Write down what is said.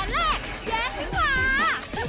ชิคกี้พาย